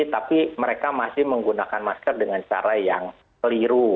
tapi mereka masih menggunakan masker dengan cara yang keliru